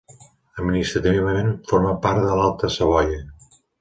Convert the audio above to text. Administrativament forma part de l'Alta Savoia.